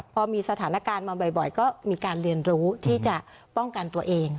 พอมีสถานการณ์มาบ่อยก็มีการเรียนรู้ที่จะป้องกันตัวเอง